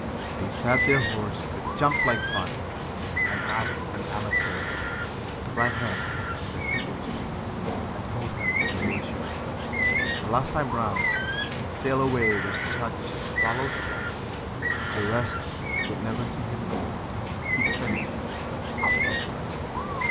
They said their horse could jump like fun, and asked an amateur To ride him in the steeplechase, and told him they were sure, The last time round, he'd sail away with such a swallow's flight The rest would never see him go he'd finish out of sight.